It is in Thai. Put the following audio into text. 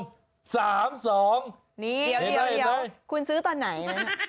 นี่เห็นไหมเห็นไหมเดี๋ยวคุณซื้อตอนไหน